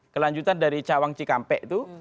kelanjutan dari cawang cikampek itu